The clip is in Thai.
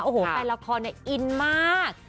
โอ้โหใส่ละครฟะอินมาก